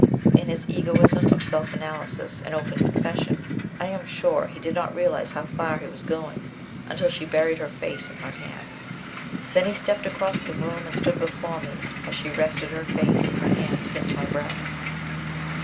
In his egoism of self analysis and open confession, I am sure he did not realize how far he was going, until she buried her face in her hands. Then he stepped across the room and stood before me as she rested her face in her hands against my breast.